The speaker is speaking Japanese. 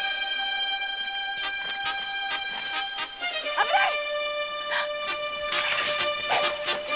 危ない！